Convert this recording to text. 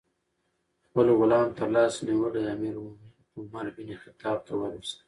خپل غلام ترلاس نیولی امیر المؤمنین عمر بن الخطاب ته وروست.